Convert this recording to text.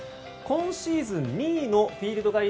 今シーズン２位のフィールド